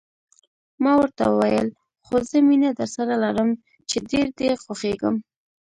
ما ورته وویل: خو زه مینه درسره لرم، چې ډېر دې خوښېږم.